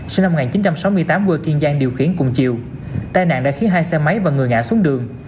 sinh năm một nghìn chín trăm sáu mươi tám quê kiên giang điều khiển cùng chiều tai nạn đã khiến hai xe máy và người ngã xuống đường